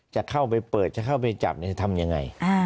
จะเข้าไปเปิดจะเข้าไปจับจะทำยังไง